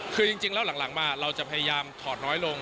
คือจริงแล้วหลังมาเราจะพยายามถอดน้อยลง